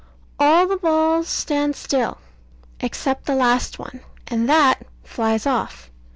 All the balls stand still, except the last one, and that flies off.